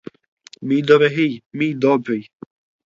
Мій дорогий, мій добрий!